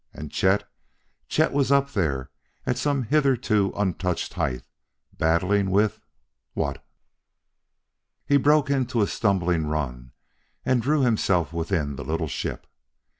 And Chet Chet was up there at some hitherto untouched height, battling with what? He broke into a stumbling run and drew himself within the little ship.